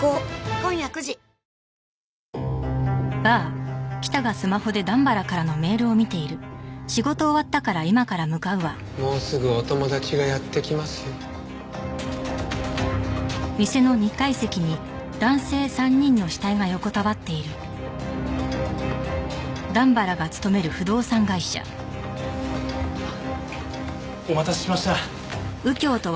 ぷはーっもうすぐお友達がやって来ますよ。お待たせしました。